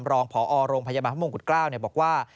รองพอโรงพยาบาลพค๙บอกว่า